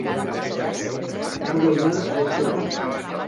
Va guanyar el segon.